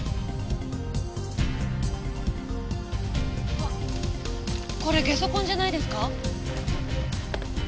あこれ下足痕じゃないですか？